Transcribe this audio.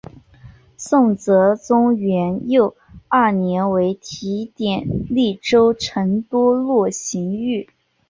宋哲宗元佑二年为提点利州成都路刑狱。